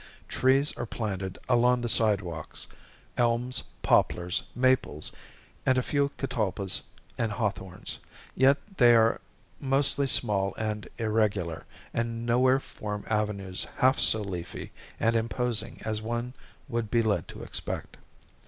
Trees are planted along the sidewalks—elms, poplars, maples, and a few catalpas and hawthorns; yet they are mostly small and irregular, and nowhere form avenues half so leafy and imposing as one would be led to expect.